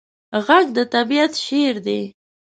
غږ د طبیعت شعر دی